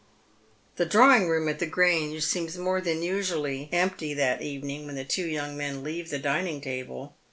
The drawing room at the Grange seems more than usually empty that evening when the two young men leave the dining table.